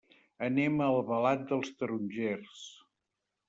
Anem a Albalat dels Tarongers.